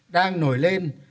đang nổi lên